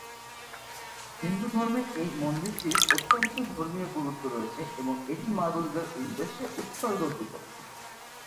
হিন্দু ধর্মে এই মন্দিরটির অত্যন্ত ধর্মীয় গুরুত্ব রয়েছে এবং এটি মা দুর্গার উদ্দেশ্যে উত্সর্গীকৃত।